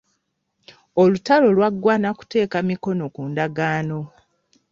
Olutalo lwaggwa na kuteeka mikono ku ndagaano.